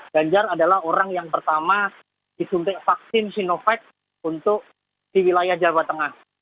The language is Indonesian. ganjar adalah orang yang pertama disuntik vaksin sinovac untuk di wilayah jawa tengah